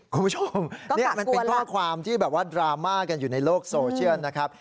คุณผู้ชมนี่มันเป็นข้อความที่แบบว่าดราม่ากันอยู่ในโลกโซเชียลนะครับ